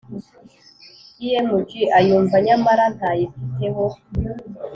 Img ayumva nyamara ntayiteho